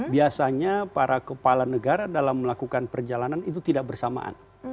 biasanya para kepala negara dalam melakukan perjalanan itu tidak bersamaan